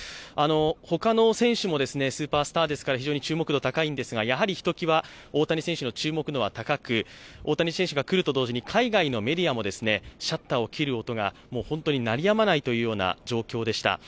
他の選手もスーパースターですから非常に注目度が高いんですがやはりひと際、大谷選手の注目度は高く、大谷選手が来ると同時に、海外のメディアも、シャッターを切る音が鳴りやまないという状況でした。